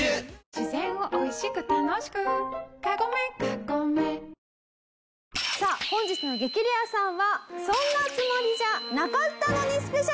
自然をおいしく楽しくカゴメカゴメさあ本日の『激レアさん』はそんなつもりじゃなかったのにスペシャル！